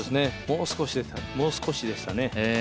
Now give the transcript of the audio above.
もう少しでしたね。